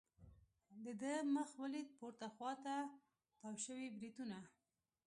د ده مخ ولید، پورته خوا ته تاو شوي بریتونه.